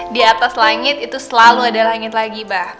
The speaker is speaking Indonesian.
di atas langit itu selalu ada langit lagi mbak